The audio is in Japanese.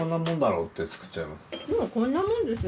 うんこんなもんですよ